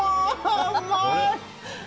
うまい！